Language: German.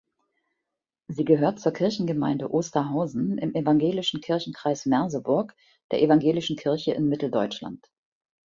Sie gehört zur Kirchengemeinde Osterhausen im Evangelischen Kirchenkreis Merseburg der Evangelischen Kirche in Mitteldeutschland.